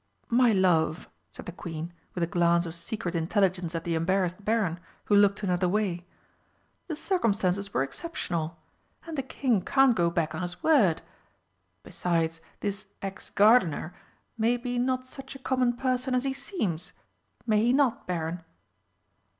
"My love," said the Queen with a glance of secret intelligence at the embarrassed Baron, who looked another way, "the circumstances were exceptional. And a King can't go back on his word! Besides, this ex gardener may be not such a common person as he seems may he not, Baron?"